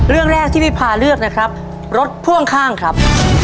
เรื่องแรกที่พี่พาเลือกนะครับรถพ่วงข้างครับ